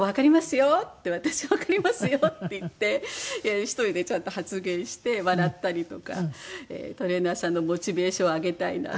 よって私わかりますよって言って１人でちゃんと発言して笑ったりとかトレーナーさんのモチベーションを上げたいなと。